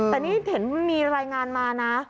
แต่นี่เห็นมีรายงานมานะ